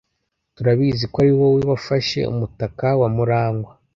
Turabizi ko ari wowe wafashe umutaka wa Murangwa.